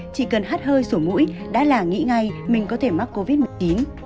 chỉ cần hát hơi sổ mũi đã là nghĩ ngay mình có thể mắc covid một mươi chín